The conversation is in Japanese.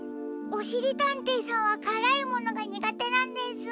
おしりたんていさんはからいものがにがてなんです。